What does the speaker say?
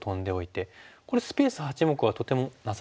これスペース８目はとてもなさそうですよね。